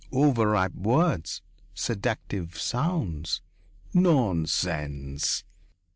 Overripe words. Seductive sounds. Nonsense!